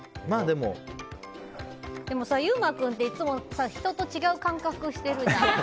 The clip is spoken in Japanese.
でもさ、優馬君っていつも人と違う感覚してるじゃん。